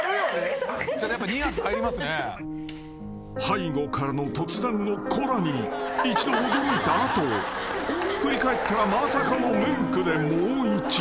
［背後からの突然の「コラ！」に一度驚いた後振り返ったらまさかのムンクでもう一度］